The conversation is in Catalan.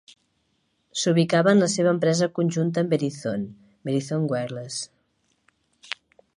S'ubicava en la seva empresa conjunta amb Verizon, Verizon Wireless.